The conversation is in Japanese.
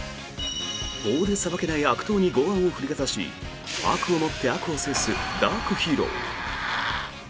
法で裁けない悪党に剛腕を振りかざし悪をもって悪を制すダークヒーロー。